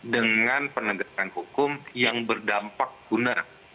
dengan penegakan hukum yang berdampak guna